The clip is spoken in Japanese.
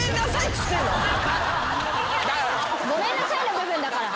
ごめんなさいの部分だから。